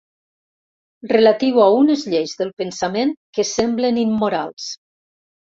Relatiu a unes lleis del pensament que semblen immorals.